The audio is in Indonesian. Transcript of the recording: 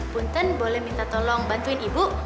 punten boleh minta tolong bantuin ibu